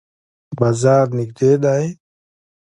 بازار نږدې دی؟